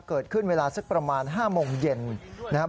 เกิดขึ้นเวลาสักประมาณ๕โมงเย็นนะครับ